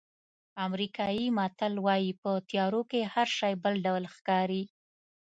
امریکایي متل وایي په تیارو کې هر شی بل ډول ښکاري.